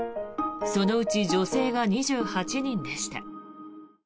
そのうち女性が２８人でした。